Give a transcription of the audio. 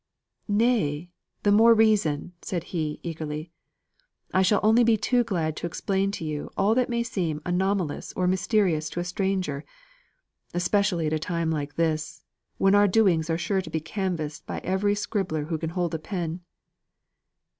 "Nay, the more reason," said he eagerly. "I shall only be too glad to explain to you all that may seem anomalous or mysterious to a stranger; especially at a time like this, when our doings are sure to be canvassed by every scribbler who can hold a pen."